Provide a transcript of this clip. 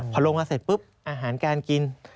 พอลงมาเสร็จปุ๊บอาหารการกิน